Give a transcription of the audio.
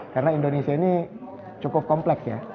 karena indonesia ini cukup kompleks ya